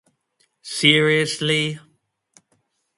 Seriously.